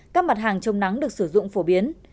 các mặt hàng chống nắng được sử dụng phổ biến